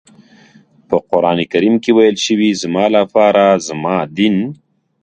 په قرآن کریم کې ويل شوي زما لپاره زما دین.